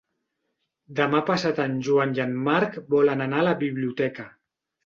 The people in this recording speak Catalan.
Demà passat en Joan i en Marc volen anar a la biblioteca.